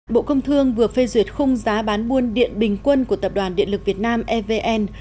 bộ công thương vừa phê duyệt khung giá bán buôn điện bình quân của tập đoàn điện lực việt nam evn